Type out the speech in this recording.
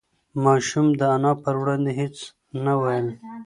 ماشوم د انا په وړاندې هېڅ نه ویل.